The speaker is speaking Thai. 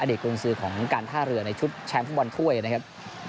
กุญสือของการท่าเรือในชุดแชมป์ฟุตบอลถ้วยนะครับ